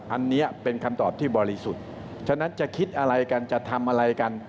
อันนี้เป็นคำตอบที่บริสุทธิ์ฉะนั้นจะคิดอะไรกันจะทำอะไรกัน